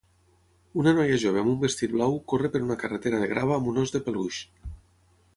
Una noia jove amb un vestit blau corre per una carretera de grava amb un ós de peluix.